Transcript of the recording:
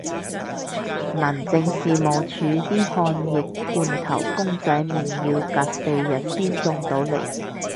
民政事務署啲抗疫罐頭公仔麵要隔四日先送到嚟